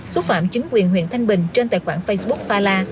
xúc phạm chính quyền huyện thanh bình trên tài khoản facebook pha la